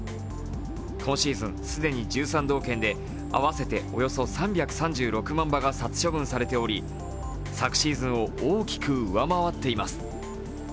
今シーズン既に１３同県で合わせておよそ３３６万羽が殺処分されており昨シーズンを大きく上回っています。